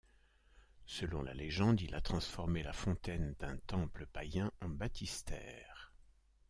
Selon la légende, il a transformé la fontaine d'un temple païen en baptistère.